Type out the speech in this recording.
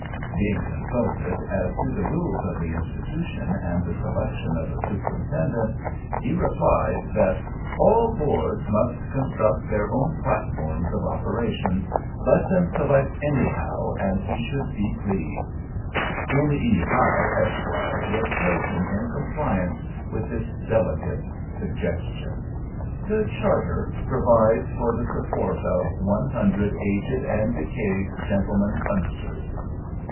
Being consulted as to the Rules of the Institution and the selection of a Superintendent, he replied, that "all Boards must construct their own Platforms of operation. Let them select anyhow and he should be pleased." N.E. Howe, Esq., was chosen in compliance with this delicate suggestion. The Charter provides for the support of "One hundred aged and decayed Gentlemen Punsters."